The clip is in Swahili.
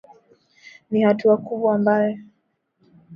ni hatua kubwa ambae